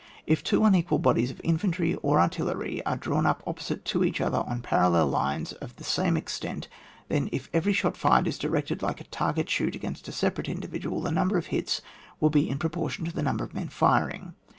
If two unequal bodies of infantry or artillery are drawn up opposite to each other on parallel lines of the same extent, then if every shot fired is directed like a target shot against a separate individual, the number of hits will be in propor tion to the number of men firing.